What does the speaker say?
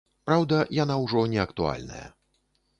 Праўда, яна ўжо не актуальная.